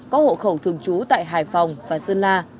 có hộ khẩu thường trú tại hải phòng và sơn la